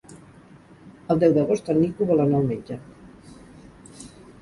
El deu d'agost en Nico vol anar al metge.